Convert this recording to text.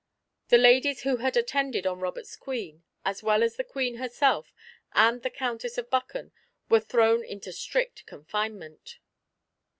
The ladies who had attended on Robert's Queen, as well as the Queen herself, and the Countess of Buchan, were thrown into strict confinement.